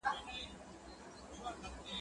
توري نورو ځوانانو ووهلې، منصب سدو وخوړ.